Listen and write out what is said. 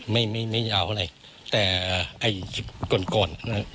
ไม่ไม่ไม่ยาวเท่าไรแต่ไอคลิปกล่นกล่อนนะครับ